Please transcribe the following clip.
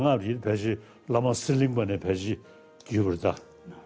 dalai lama selama ini dalam perjalanan ke jawa barat